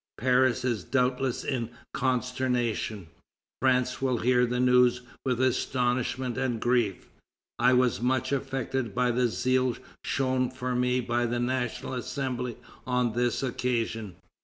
Paris is doubtless in consternation; France will hear the news with astonishment and grief. I was much affected by the zeal shown for me by the National Assembly on this occasion.